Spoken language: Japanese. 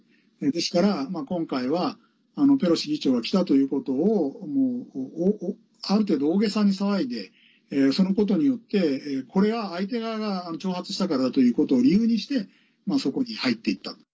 ですから、今回はペロシ議長が来たということをある程度、大げさに騒いでそのことによってこれは相手側が挑発したからということを理由にしてそこに入っていった。